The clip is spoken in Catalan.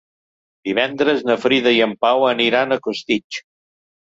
Divendres na Frida i en Pau aniran a Costitx.